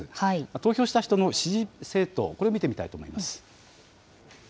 投票した人の支持政党、これを見てみたいと思います。